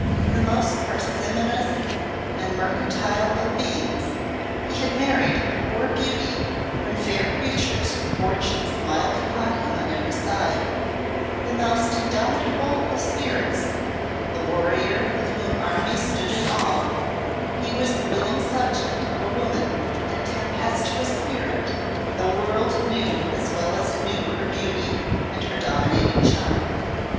The most parsimonious and mercantile of beings, he had married a poor beauty when fair creatures with fortunes smiled upon him on every side; the most indomitable of spirits, the warrior of whom armies stood in awe, he was the willing subject of a woman whose fiery temper and tempestuous spirit the world knew as well as it knew her beauty and her dominating charm.